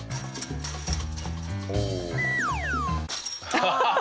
ハハハハ！